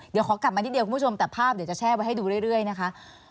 เดี๋ยวขอกลับมานิดเดียวคุณผู้ชมแต่ภาพเดี๋ยวจะแช่ไว้ให้ดูเรื่อยนะคะ